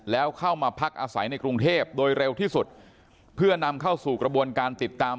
แล้วเข้ามาพักอาศัยในกรุงเทพโดยเร็วที่สุดเพื่อนำเข้าสู่กระบวนการติดตาม